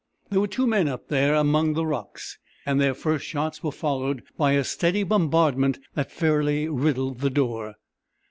There were two men up there among the rocks, and their first shots were followed by a steady bombardment that fairly riddled the door.